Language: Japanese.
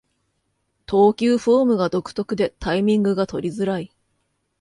投球フォームが独特でタイミングが取りづらい